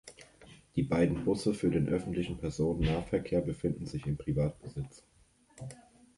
Die beiden Busse für den öffentlichen Personennahverkehr befinden sich in Privatbesitz.